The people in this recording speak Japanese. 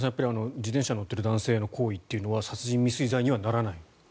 自転車に乗っている男性の行為は殺人未遂罪にはならない？